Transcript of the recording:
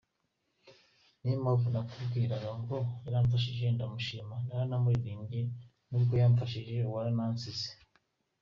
Niyo mpamvu nakubwiraga ngo yaramfashije ndanamushima naranamuririmbye ‘n’ubwo wamfashije waranansize’ .